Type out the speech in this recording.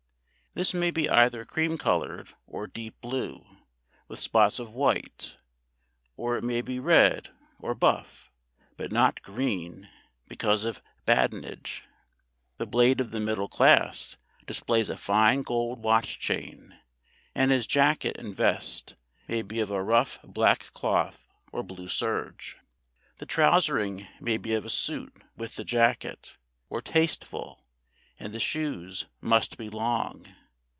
This may be either cream coloured or deep blue, with spots of white, or it may be red, or buff, but not green, because of badinage. The Blade of the middle class displays a fine gold watch chain, and his jacket and vest may be of a rough black cloth or blue serge. The trousering may be of a suit with the jacket, or tasteful, and the shoes must be long.